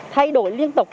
thay đổi liên tục